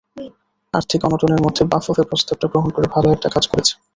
আর্থিক অনটনের মধ্যে বাফুফে প্রস্তাবটা গ্রহণ করে ভালো একটা কাজ করেছে।